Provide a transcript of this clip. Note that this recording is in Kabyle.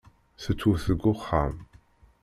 Tettwet deg uxxam.